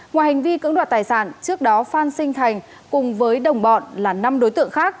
ngoài hành vi cưỡng đoạt tài sản trước đó phan sinh thành cùng với đồng bọn là năm đối tượng khác